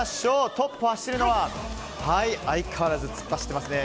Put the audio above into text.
トップを走っているのは相変わらず突っ走ってますね。